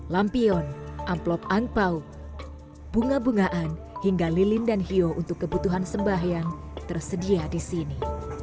lampion amplop angpau bunga bungaan hingga lilin dan hiu untuk kebutuhan sembahyang tersedia di sini